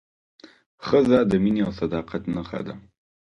ښځه د مینې او صداقت نښه ده.